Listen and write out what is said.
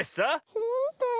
ほんとに？